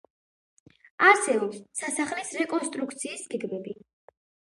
არსებობს სასახლის რეკონსტრუქციის გეგმები.